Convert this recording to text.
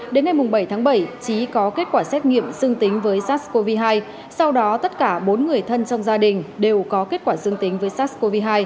đến ngày bảy tháng bảy trí có kết quả xét nghiệm dương tính với sars cov hai sau đó tất cả bốn người thân trong gia đình đều có kết quả dương tính với sars cov hai